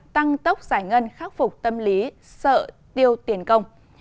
tăng tốc giải ngân khắc phục tâm lý sợ tiêu tiền công